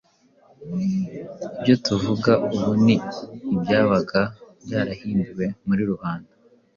Ibyo tuvuga ubu ni ibyabaga byarahimbiwe muri rubanda ,